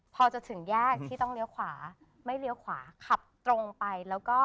พอจะถึงแยกที่ต้องเลี้ยวขวาไม่เลี้ยวขวาขับตรงไปแล้วก็